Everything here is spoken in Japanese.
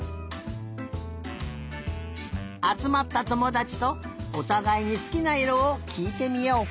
あつまったともだちとおたがいにすきないろをきいてみよう！